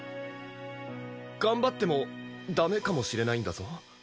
頑張っても駄目かもしれないんだぞ。